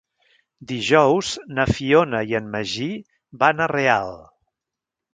Dijous na Fiona i en Magí van a Real.